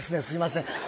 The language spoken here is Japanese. すいません